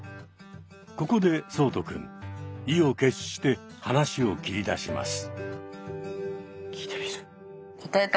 ここで聡人くん意を決して話を切り出します。